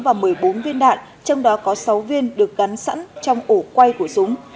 và một mươi bốn viên đạn trong đó có sáu viên được gắn sẵn trong ổ quay của súng